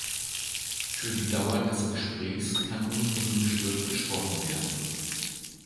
Für die Dauer des Gesprächs kann nun ungestört gesprochen werden.